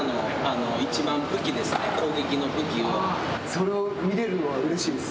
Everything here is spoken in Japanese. それを見れるのはうれしいです。